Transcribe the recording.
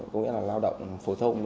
có nghĩa là lao động phổ thông